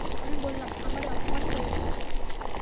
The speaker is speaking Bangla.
আমি বললাম, আমারে অপমান কইরেন না।